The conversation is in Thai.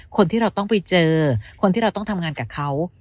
คนที่เราต้องไปเจอคนที่เราต้องทำงานกับเขา